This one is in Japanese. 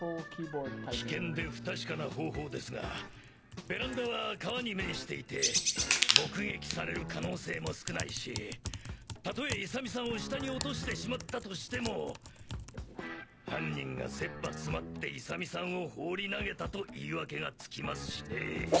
危険で不確かな方法ですがベランダは川に面していて目撃される可能性も少ないしたとえ勇美さんを下に落としてしまったとしても犯人が切羽詰まって勇美さんを放り投げたと言い訳がつきますしね。